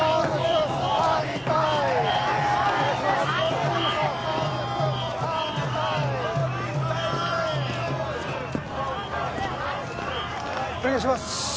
お願いします